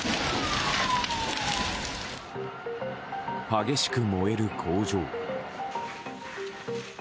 激しく燃える工場。